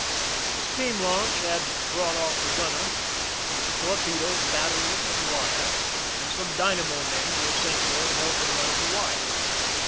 The steam launch had brought off the gunner, with the torpedoes, batteries, and wire, and some dynamo men were sent for to help in running the wires.